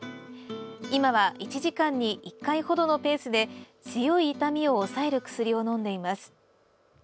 今は１時間に１回ほどのペースで強い痛みを抑える薬を飲んでいます。